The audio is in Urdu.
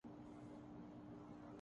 آج تو درد مرا حد سے سوا ہے لوگو